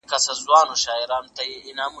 وطن ستاسو هويت دی.